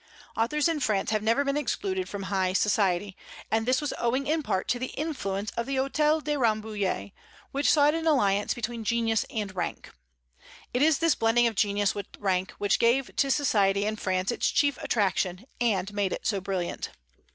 Authors in France have never been excluded from high society; and this was owing in part to the influence of the Hôtel de Rambouillet, which sought an alliance between genius and rank. It is this blending of genius with rank which gave to society in France its chief attraction, and made it so brilliant.